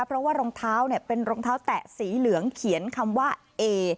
เพราะว่ารองเท้าเป็นรองเท้าแตะสีเหลืองเขียนคำว่าเอ